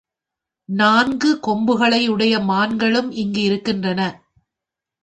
நான்கு கொம்புகளையுடைய மான்களும் இங்கு இருக்கின்றன.